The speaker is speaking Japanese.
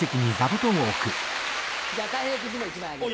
じゃあたい平君にも１枚あげて。